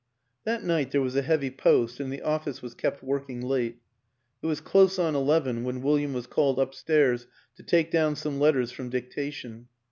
That night there was a heavy post, and the of fice was kept working late ; it was close on eleven when William was called upstairs to take down some letters from dictation.